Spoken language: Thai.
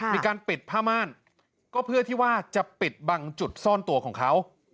มีการปิดผ้าม่านก็เพื่อที่ว่าจะปิดบังจุดซ่อนตัวของเขา